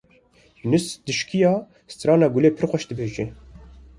Yûnûs dîşkaya strana Gulê pir xweş dibêje.